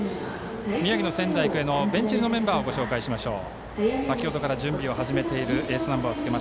宮城の仙台育英のベンチ入りメンバーをご紹介しましょう。